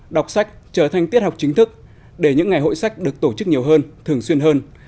đọc sách trở thành tiết học chính thức để những ngày hội sách được tổ chức nhiều hơn thường xuyên hơn